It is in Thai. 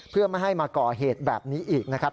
เพื่อไม่ให้มาก่อเหตุแบบนี้อีกนะครับ